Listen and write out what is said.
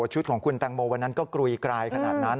ชุดของคุณแตงโมวันนั้นก็กรุยกรายขนาดนั้น